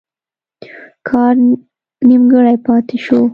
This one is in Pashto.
کار نیمګړی پاته شو.